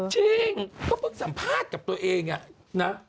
จริงก็เพิ่งสัมภาษณ์กับตัวเองนะ